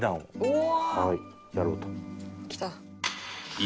きた。